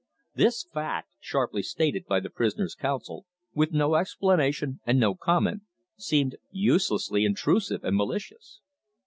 This fact, sharply stated by the prisoner's counsel, with no explanation and no comment, seemed uselessly intrusive and malicious.